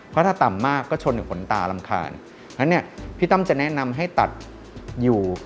เพราะถ้าต่ำมากก็ชนกับขนตารำค่านแล้วเนี้ยพี่ตำจะแนะนำให้ตัดอยู่